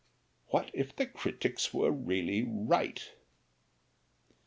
What if the critics were really right?